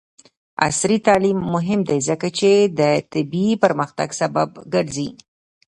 عصري تعلیم مهم دی ځکه چې د طبي پرمختګ سبب ګرځي.